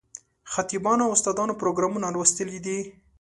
خطیبانو او استادانو پروګرامونه لوستلي دي.